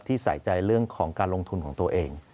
ใส่ใจเรื่องของการลงทุนของตัวเอง